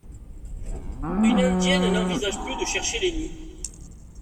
Une indienne n'envisage plus de chercher les nids.